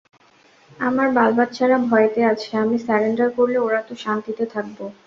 আমার বালবাচ্চারা ভয়েতে আছে, আমি স্যারেন্ডার করলে ওরা তো শান্তিতে থাকব।